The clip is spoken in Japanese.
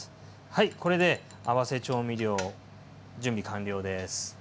はいこれで合わせ調味料準備完了です。